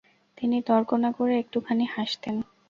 তিনি তর্ক না করে একটুখানি হাসতেন।